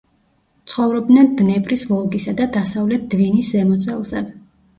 ცხოვრობდნენ დნეპრის, ვოლგისა და დასავლეთ დვინის ზემო წელზე.